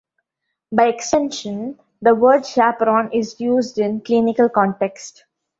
By extension, the word chaperone is used in clinical contexts.